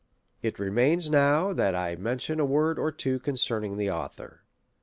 " It remains now only that I mention a word or two concerning the author.